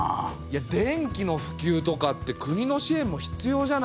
電気の普及とかって国のしえんも必要じゃない。